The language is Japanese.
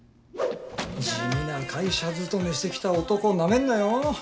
地味な会社勤めしてきた男をなめんなよ